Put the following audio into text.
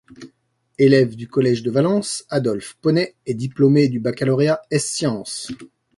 Élève du collège de Valence, Adolphe Ponet est diplômé du baccalauréat ès sciences.